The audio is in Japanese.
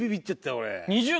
俺。